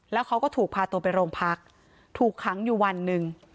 แล้วเขาก็ถูกพาตัวไปโรงพักถูกขังอยู่วันหนึ่ง